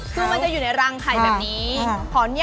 คือมันจะอยู่ในรังไข่แบบนี้